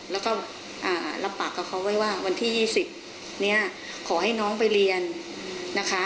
แล้วก็รับปากกับเขาไว้ว่าวันที่๒๐นี้ขอให้น้องไปเรียนนะคะ